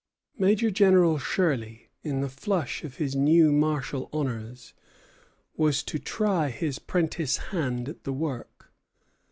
Major General Shirley, in the flush of his new martial honors, was to try his prentice hand at the work.